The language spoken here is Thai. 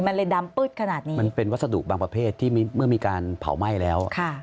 มันเลยดำปื๊ดขนาดนี้มันเป็นวัสดุบางประเภทที่เมื่อมีการเผาไหม้แล้ว